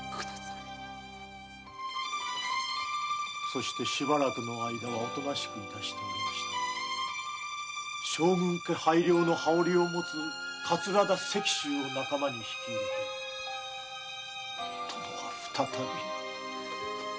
そしてしばらくの間はおとなしく致しておりましたが葵の羽織を持つ桂田石舟を仲間に引き入れ殿は再び。